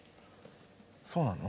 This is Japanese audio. そうなの？